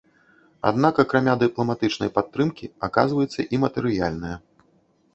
Аднак акрамя дыпламатычнай падтрымкі, аказваецца і матэрыяльная.